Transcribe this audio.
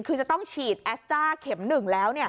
คือจะต้องฉีดแอสต้าเข็ม๑แล้ว